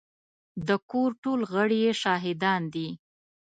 د کور ټول غړي يې شاهدان دي.